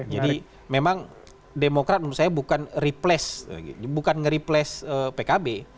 jadi memang demokrat menurut saya bukan replace pkb